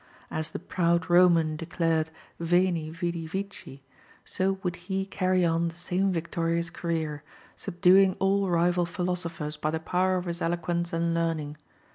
As the proud Roman declared Veni, Vidi, Vici, so would he carry on the same victorious career, subduing all rival philosophers by the power of his eloquence and learning.